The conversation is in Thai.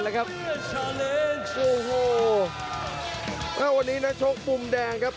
และวันนี้เนี่ยชกปุ่มแดงครับ